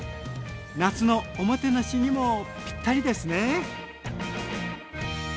夏のおもてなしにもぴったりですね。